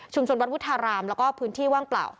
ชุมส่วนบรรพุทธารามแล้วก็พื้นที่ว่างเปล่า